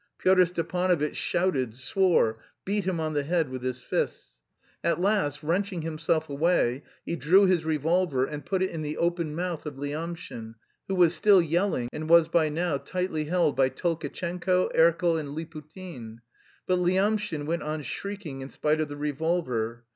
Pyotr Stepanovitch shouted, swore, beat him on the head with his fists. At last, wrenching himself away, he drew his revolver and put it in the open mouth of Lyamshin, who was still yelling and was by now tightly held by Tolkatchenko, Erkel, and Liputin. But Lyamshin went on shrieking in spite of the revolver.